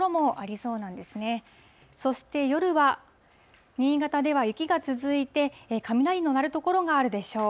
そして夜は、新潟では雪が続いて、雷の鳴る所があるでしょう。